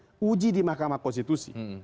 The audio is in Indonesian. yang pernah diuji di makamah konstitusi